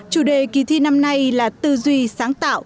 chủ đề kỳ thi năm nay là tư duy sáng tạo